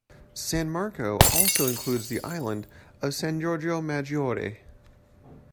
San Marco also includes the island of San Giorgio Maggiore.